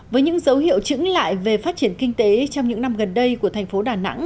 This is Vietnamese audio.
với những dấu hiệu chứng lại về phát triển kinh tế trong những năm gần đây của thành phố đà nẵng